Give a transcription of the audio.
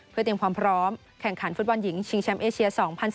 เพื่อเตรียมความพร้อมแข่งขันฟุตบอลหญิงชิงแชมป์เอเชีย๒๐๑๙